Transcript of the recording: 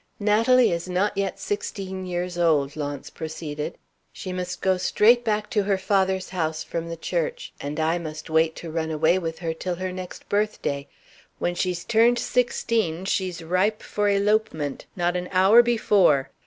"Natalie is not yet sixteen years old," Launce proceeded. "She must go straight back to her father's house from the church, and I must wait to run away with her till her next birthday. When she's turned sixteen, she's ripe for elopement not an hour before.